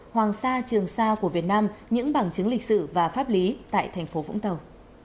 hoàng sa trường sa của việt nam những bằng chứng lịch sử và pháp lý tại thành phố vũng tàu